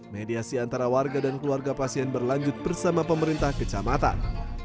mediasi antara warga dan keluarga pasien berlanjut bersama pemerintah kecamatan